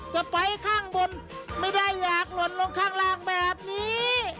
จะไปข้างบนไม่ได้อยากหล่นลงข้างล่างแบบนี้